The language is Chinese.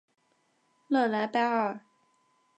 热莱巴尔。